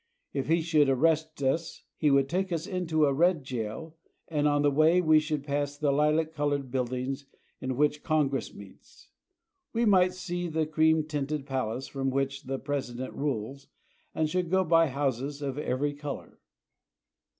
If he should arrest us he would take us into a red jail, and on the way we should pass the li ^^,^_^,._^. lac colored build . ^5p:li^^iSife^^ ing in which Con gress meets. We might see the cream tinted pal ace from which thepresident rules, and should go by houses of every color.